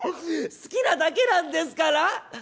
好きなだけなんですから」。